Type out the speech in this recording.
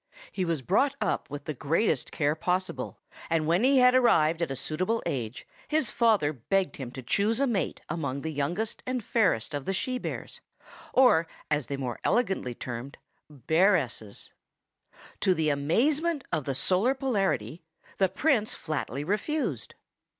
He was brought up with the greatest care possible, and when he had arrived at a suitable age, his father begged him to choose a mate among the youngest and fairest of the she bears, or, as they are more elegantly termed, bearesses. To the amazement of the Solar Polarity, the Prince flatly refused.